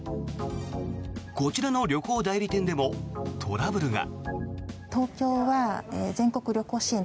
こちらの旅行代理店でもトラブルが。